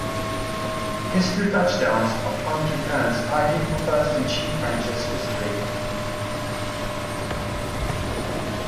His two touchdowns off punt returns tied him for first in Chief franchise history.